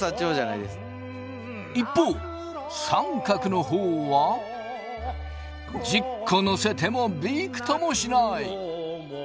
一方三角の方は１０個乗せてもビクともしない。